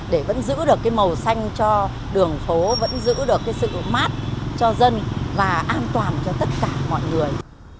để vẫn giữ được cái màu xanh cho đường phố vẫn giữ được cái sự mát cho dân và an toàn cho tất cả mọi người